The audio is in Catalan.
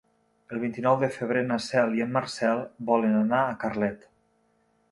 El vint-i-nou de febrer na Cel i en Marcel volen anar a Carlet.